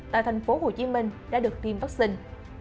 tại thành phố hồ chí minh đã được tiêm vaccine